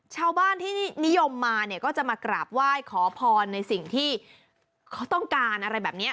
ชาวบ้านที่นิยมมาเนี่ยก็จะมากราบไหว้ขอพรในสิ่งที่เขาต้องการอะไรแบบนี้